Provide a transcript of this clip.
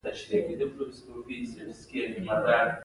که مې کولای شول، هرومرو به راشم.